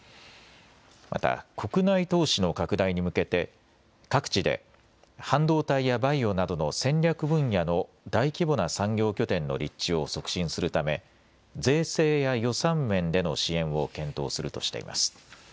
また国内投資の拡大に向けて各地で半導体やバイオなどの戦略分野の大規模な産業拠点の立地を促進するため税制や予算面での支援を検討するとしています。